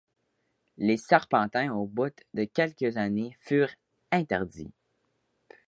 Les serpentins au bout de quelques années furent interdits.